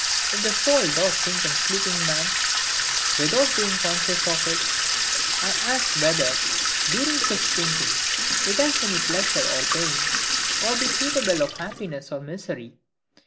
If the soul doth think in a sleeping man without being conscious of it, I ask whether, during such thinking, it has any pleasure or pain, or be capable of happiness or misery?